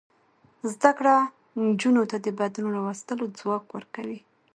زده کړه نجونو ته د بدلون راوستلو ځواک ورکوي.